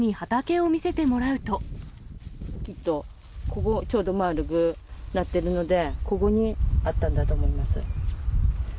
ここ、ちょうど丸くなっているので、ここにあったんだと思います。